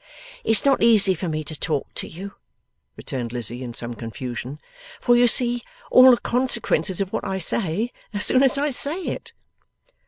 'It's not easy for me to talk to you,' returned Lizzie, in some confusion, 'for you see all the consequences of what I say, as soon as I say it.